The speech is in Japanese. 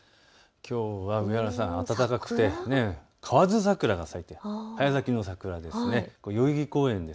きょうは上原さん、暖かくて河津桜が咲いて早咲きの桜です。